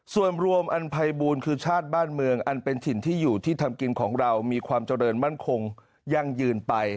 ส่วนรวมอันภัยบูลคือชาติบ้านเมืองอันเป็นถิ่นที่อยู่ที่ทำกินของเรามีความเจริญมั่นคงยั่งยืนไป